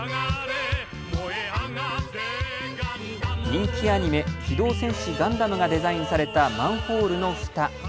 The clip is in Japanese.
人気アニメ、機動戦士ガンダムがデザインされたマンホールのふた。